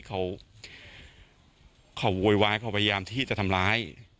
เขาเขาโวยวายเขาพยายามที่จะทำร้าย